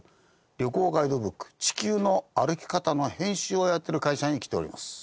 旅行ガイドブック『地球の歩き方』の編集をやってる会社に来ております。